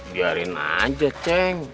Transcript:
biarin aja ceng